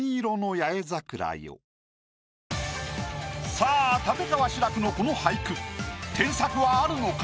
さあ立川志らくのこの俳句添削はあるのか？